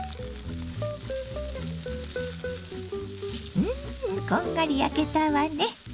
うんこんがり焼けたわね。